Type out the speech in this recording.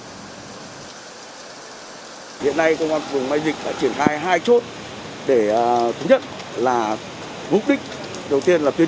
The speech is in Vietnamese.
hiện nay công an phường mai dịch đã triển khai hai chốt để thứ nhất là mục đích đầu tiên là tuyên